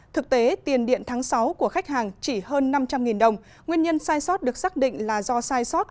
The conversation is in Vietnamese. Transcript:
thực tế tiền điện tháng sáu của khách hàng chỉ hơn năm trăm linh đồng nguyên nhân sai sót được xác định là do sai sót